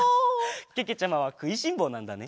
けけちゃまはくいしんぼうなんだね。